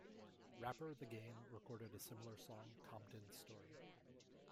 Rapper The Game recorded a similar song, "Compton Story".